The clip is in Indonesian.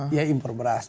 dia impor beras